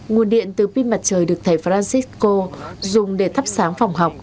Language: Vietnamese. nguồn điện từ pin mặt trời được thầy francisco dùng để thắp sáng phòng học